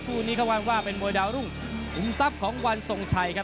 คู่นี้เขาว่าเป็นมวยดาวรุ่งขุมทรัพย์ของวันทรงชัยครับ